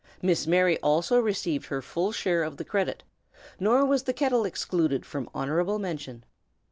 Miss Mary also received her full share of the credit, nor was the kettle excluded from honorable mention.